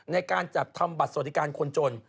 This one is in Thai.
ในการจัดทำบัตรสวัสดิการคนจน